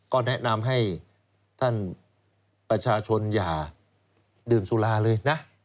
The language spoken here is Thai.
ก็แนะนำให้ท่านประชาชนอย่าดื่มสุราเลยนะ